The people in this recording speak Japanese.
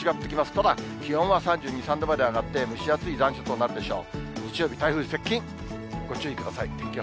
ただ、気温は３２、３度まで上がって、蒸し暑い残暑となるでしょう。